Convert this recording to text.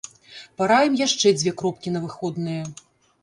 Параім яшчэ дзве кропкі на выходныя.